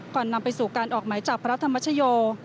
นำไปสู่การออกหมายจับพระธรรมชโย